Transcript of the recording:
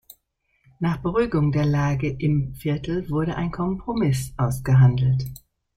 Nach Beruhigung der Lage in Viertel wurde ein „Kompromiss“ ausgehandelt.